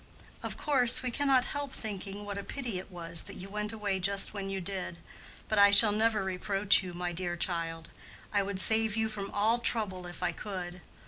Of course we cannot help thinking what a pity it was that you went away just when you did. But I shall never reproach you, my dear child; I would save you from all trouble if I could.